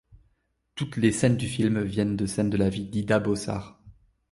Toutes les scènes du film viennent de scènes de la vie d'Ida Beaussart.